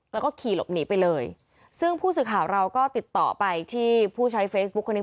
แล้วก็ขี่หลบหนีไปเลยซึ่งผู้สื่อข่าวเราก็ติดต่อไปที่ผู้ใช้เฟซบุ๊คคนนี้